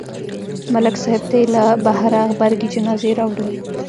ملک صاحب ته یې له بهره غبرګې جنازې راوړلې